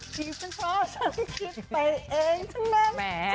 ที่เพราะฉันคิดไปเองทั้งนั้น